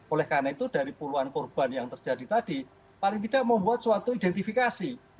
oleh karena itu dari puluhan korban yang terjadi tadi paling tidak membuat suatu identifikasi